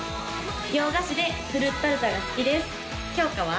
洋菓子でフルーツタルトが好きですきょうかは？